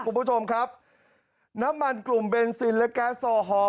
คุณผู้ชมครับน้ำมันกลุ่มเบนซินและแก๊สโซฮอล